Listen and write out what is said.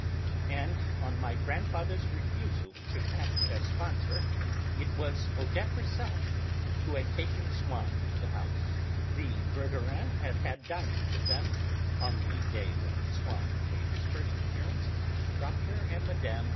And on my grandfather's refusal to act as sponsor, it was Odette herself who had taken Swann to the house. The Verdurins had had dining with them, on the day when Swann made his first appearance, Dr. and Mme.